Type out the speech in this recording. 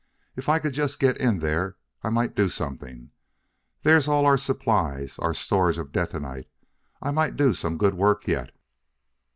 If I could just get in there I might do something. There's all our supplies our storage of detonite; I might do some good work yet!"